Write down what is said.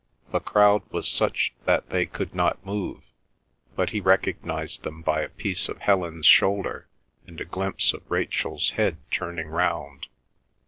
The crowd was such that they could not move, but he recognised them by a piece of Helen's shoulder and a glimpse of Rachel's head turning round.